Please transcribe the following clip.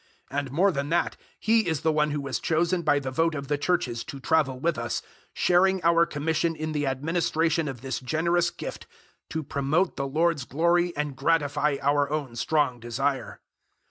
008:019 And more than that, he is the one who was chosen by the vote of the Churches to travel with us, sharing our commission in the administration of this generous gift to promote the Lord's glory and gratify our own strong desire.